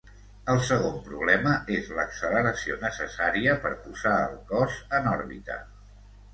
El segon problema és l'acceleració necessària per posar el cos en òrbita.